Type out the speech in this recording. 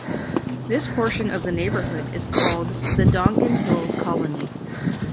This portion of the neighborhood is called, the Dongan Hills Colony.